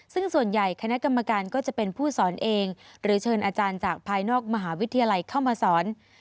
ซึ่งส่วนใหญ่คณะกรรมการก็จะเป็นผู้สอนเองหรือเชิญอาจารย์จากภายนอกมหาวิทยาลัยเข้ามาสอน